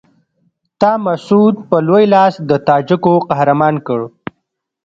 تا مسعود په لوی لاس د تاجکو قهرمان کړ.